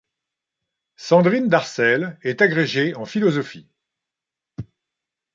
Sandrine Darsel est agrégée en philosophie.